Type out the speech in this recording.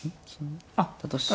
あっ。